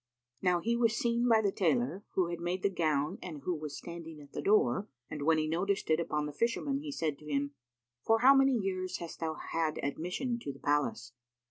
Now he was seen by the tailor, who had made the gown and who was standing at the door, and when he noticed it upon the Fisherman, he said to him, "For how many years hast thou had admission to the palace?"